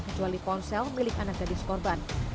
kecuali ponsel milik anak gadis korban